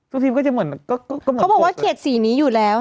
ทุกทีมันก็เขาบอกว่าเขียดสีนี้อยู่แล้ว